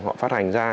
họ phát hành ra